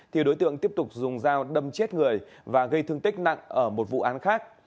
thì đối tượng tiếp tục dùng dao đâm chết người và gây thương tích nặng ở một vụ án khác